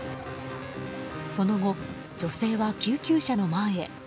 その後、女性は救急車の前へ。